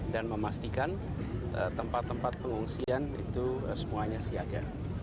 dan memastikan tempat tempat pengungsian itu semuanya siaga